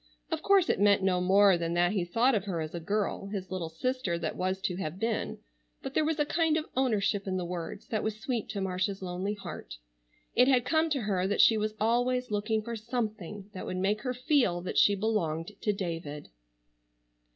Of course it meant no more than that he thought of her as a girl, his little sister that was to have been, but there was a kind of ownership in the words that was sweet to Marcia's lonely heart. It had come to her that she was always looking for something that would make her feel that she belonged to David.